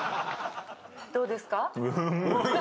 どうですか？